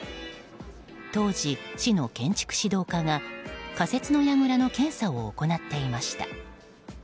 当時、市の建築指導課が仮設のやぐらの検査を行っていました。